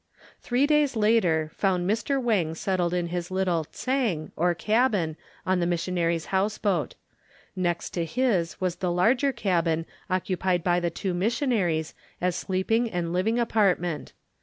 Three days later found Mr. Wang settled in his little "tsang" or cabin on the missionary's houseboat. Next to his was the larger cabin occupied by the two missionaries as sleeping and living apartment.